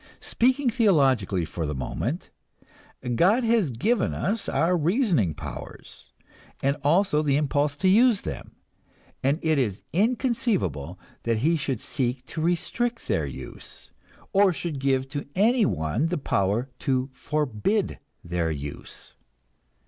Speaking theologically for the moment, God has given us our reasoning powers, and also the impulse to use them, and it is inconceivable that He should seek to restrict their use, or should give to anyone the power to forbid their use.